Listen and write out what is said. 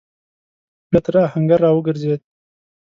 بيا تر آهنګر راوګرځېد.